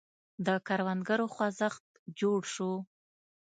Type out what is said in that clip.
د کروندګرو خوځښت جوړ شو.